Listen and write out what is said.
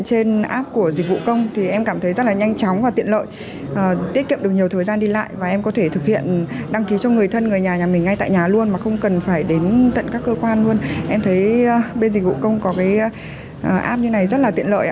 trên app của dịch vụ công thì em cảm thấy rất là nhanh chóng và tiện lợi tiết kiệm được nhiều thời gian đi lại và em có thể thực hiện đăng ký cho người thân người nhà nhà mình ngay tại nhà luôn mà không cần phải đến tận các cơ quan luôn em thấy bên dịch vụ công có cái app như này rất là tiện lợi